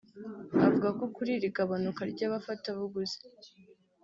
Avuga kuri iri gabanuka ry’abafatabuguzi